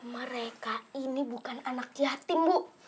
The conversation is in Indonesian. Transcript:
mereka ini bukan anak yatim bu